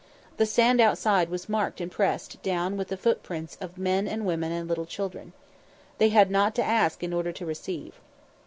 The sand outside was marked and pressed, down with footprints of men and women and little children. They had not to ask in order to receive.